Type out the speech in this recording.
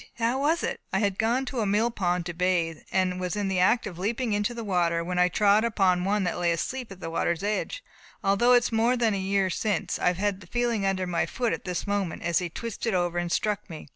how was it?" "I had gone to a mill pond to bathe, and was in the act of leaping into the water, when I trod upon one that lay asleep at the water's edge. Although it is more than a year since, I have the feeling under my foot at this moment as he twisted over and struck me.